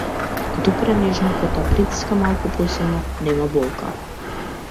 Го допира нежно, потоа притиска малку посилно, нема болка.